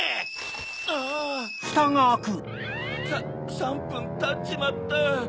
３ぷんたっちまった。